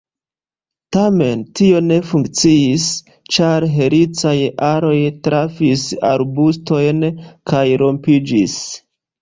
Tamen tio ne funkciis, ĉar helicaj aloj trafis arbustojn kaj rompiĝis.